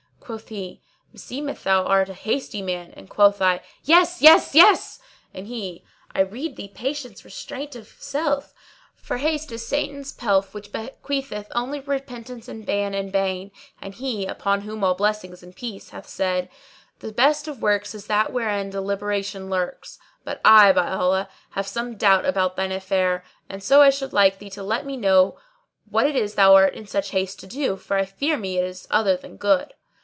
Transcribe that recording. Quoth he, "Meseems thou art a hasty man;" and quoth I, "Yes ! yes! yes!" and he, "I rede thee practice restraint of self, for haste is Satan's pelf which bequeatheth only repentance and ban and bane, and He (upon whom be blessings and peace!) hath said, 'The best of works is that wherein deliberation lurks;' but I, by Allah! have some doubt about thine affair; and so I should like thee to let me know what it is thou art in such haste to do, for I fear me it is other than good."